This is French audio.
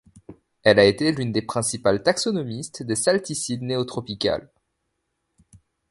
Elle a été l'une des principales taxonomistes des salticides néotropicale.